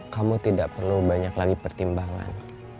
kamu tidak perlu banyak lagi pertimbangan